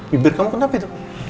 piber kamu kenapa itu